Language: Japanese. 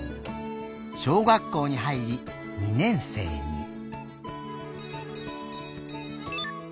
小学校にはいり「二年生」に。